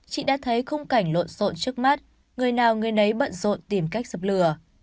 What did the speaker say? chị đã thấy khung cảnh lộn xộn trước mắt người nào người nấy bận rộn tìm cách dập lửa